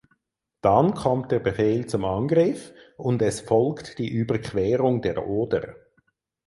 Dann kommt der Befehl zum Angriff und es folgt die Überquerung der Oder.